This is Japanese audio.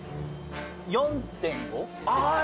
４．５。